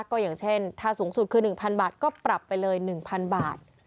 ก็อย่างเช่นถ้าสูงสุดคือ๑๐๐บาทก็ปรับไปเลย๑๐๐บาท